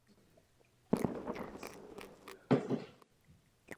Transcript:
Řecká komunistická strana hlasovala proti usnesení Evropského parlamentu.